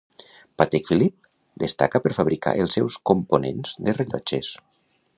Patek Philippe destaca per fabricar els seus components de rellotges.